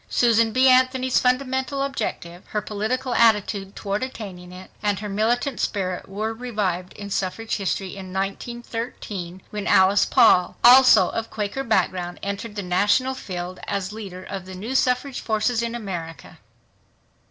Susan B. Anthony's fundamental objective, her political attitude toward attaining it, and her militant spirit were revived in suffrage history in 1913 when Alice Paul, also of Quaker background, entered the national field as leader of the new suffrage forces in America.